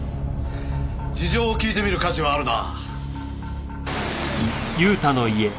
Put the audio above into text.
事情を聞いてみる価値はあるな。